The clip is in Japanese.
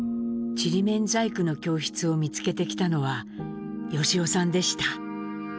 ちりめん細工の教室を見つけてきたのは由夫さんでした。